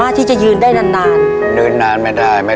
ทับผลไม้เยอะเห็นยายบ่นบอกว่าเป็นยังไงครับ